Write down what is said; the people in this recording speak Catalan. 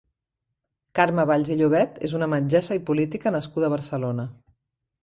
Carme Valls i Llobet és una metgessa i política nascuda a Barcelona.